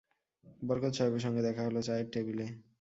বরকত সাহেবের সঙ্গে দেখা হল চায়ের টেবিলে।